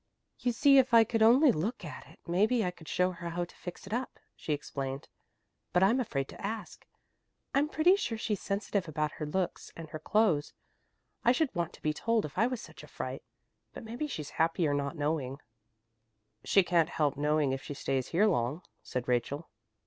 "You see if I could only look at it, maybe I could show her how to fix it up," she explained, "but I'm afraid to ask. I'm pretty sure she's sensitive about her looks and her clothes. I should want to be told if I was such a fright, but maybe she's happier without knowing." "She can't help knowing if she stays here long," said Rachel.